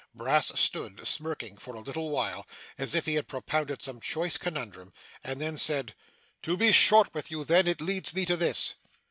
Brass stood smirking for a little while, as if he had propounded some choice conundrum; and then said: 'To be short with you, then, it leads me to this.